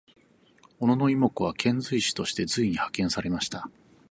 小野妹子は遣隋使として隋に派遣されました。